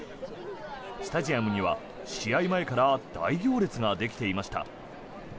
スタジアムには試合前から大行列ができていました。